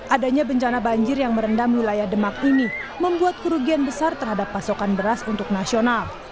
adanya bencana banjir yang merendam wilayah demak ini membuat kerugian besar terhadap pasokan beras untuk nasional